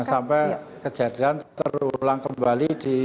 jangan sampai kejadian terulang kembali di kondisi